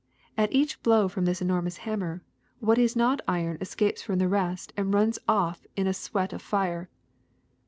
At each blow from this enormous hammer what is not iron escapes from the rest and runs off in a sweat of fire.